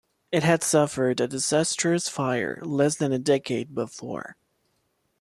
It had suffered a disastrous fire less than a decade before.